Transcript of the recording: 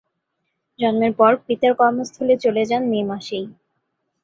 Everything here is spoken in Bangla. জন্মের পর পিতার কর্মস্থলে চলে যান মে মাসেই।